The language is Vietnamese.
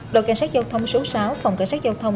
đội cảnh sát giao thông số sáu phòng cảnh sát giao thông